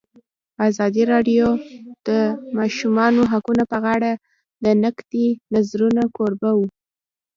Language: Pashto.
ازادي راډیو د د ماشومانو حقونه په اړه د نقدي نظرونو کوربه وه.